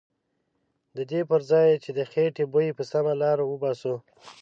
ددې پرځای چې د خیټې بوی په سمه لاره وباسو.